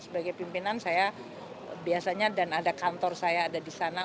sebagai pimpinan saya biasanya dan ada kantor saya ada di sana